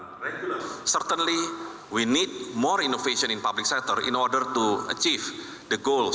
kita memperkenalkan ide untuk menggunakan kartu pintar